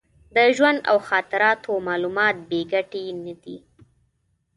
د ژوند او خاطراتو معلومات بې ګټې نه دي.